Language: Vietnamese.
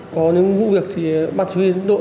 có những vụ việc thì bác chí huy đội